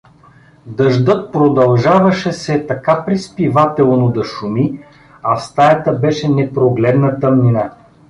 Дъждът продължаваше се така приспивателно да шуми, а в стаята беше непрогледна тъмнина.